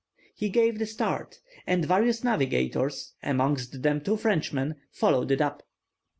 He gave the start, and various navigators, amongst them two Frenchmen, followed it up.